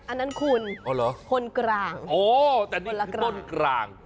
อันนั้นคุณคนกลางโอ้แต่นี่ต้นกลาง